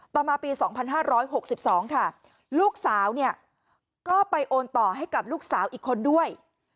ต่อมาปี๒๕๖๒ค่ะลูกสาวเนี่ยก็ไปโอนต่อให้กับลูกสาวอีกคนด้วย